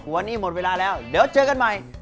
วันนี้หมดเวลาแล้วเดี๋ยวเจอกันใหม่